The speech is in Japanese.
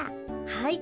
はい。